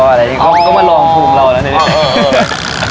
อะไรที่เขาก็มาลองภูมิเราแล้วเนี่ย